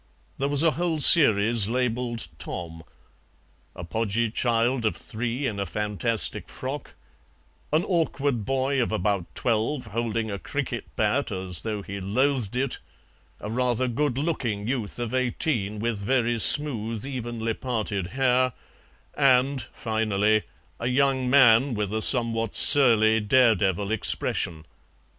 There was a whole series, labelled "Tom," a podgy child of three, in a fantastic frock, an awkward boy of about twelve, holding a cricket bat as though he loathed it, a rather good looking youth of eighteen with very smooth, evenly parted hair, and, finally, a young man with a somewhat surly dare devil expression.